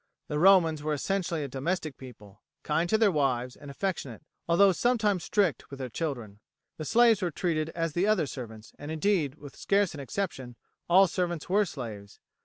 The Romans were essentially a domestic people, kind to their wives, and affectionate, although sometimes strict, with their children. The slaves were treated as the other servants; and, indeed, with scarce an exception, all servants were slaves.